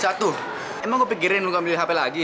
satu emang gue pikirin lu gak ambil handphone lagi